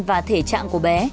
và thể trạng của bé